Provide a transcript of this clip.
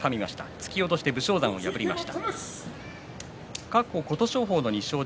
突き落として武将山を破りました。